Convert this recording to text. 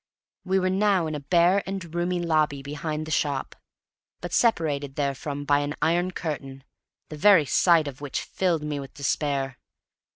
We were now in a bare and roomy lobby behind the shop, but separated therefrom by an iron curtain, the very sight of which filled me with despair.